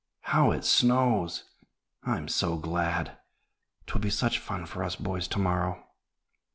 "How it snows! I'm so glad. 'Twill be such fun for us boys to morrow."